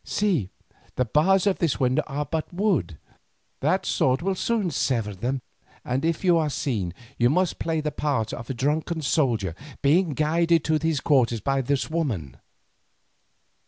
See, the bars of this window are but of wood, that sword will soon sever them, and if you are seen you must play the part of a drunken soldier being guided to his quarters by a woman.